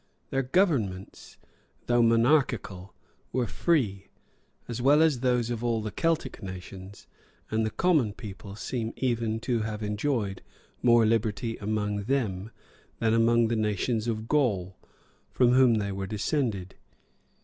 Their governments, though monarchical,[*] were free, as well as those of all the Celtic nations; and the common people seem even to have enjoyed more liberty among them,[] than among the nations of Gaul,[] from whom they were descended.